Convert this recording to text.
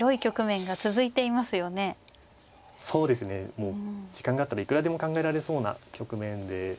もう時間があったらいくらでも考えられそうな局面で。